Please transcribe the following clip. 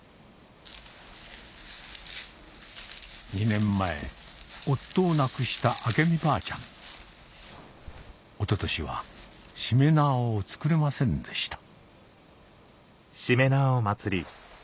２年前夫を亡くした明美ばあちゃん一昨年はしめ縄を作れませんでした